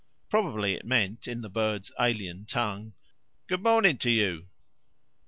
Probably it meant, in the bird's alien tongue, "Good morning to you!"